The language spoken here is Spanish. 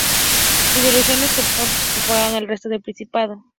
Insurrecciones que pronto se propagaron al resto del principado.